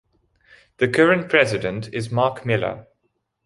The current president is Mark Miller.